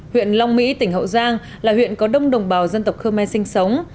huyện long mỹ tỉnh hậu giang là huyện có đông đồng bào dân tộc khơ me sinh sống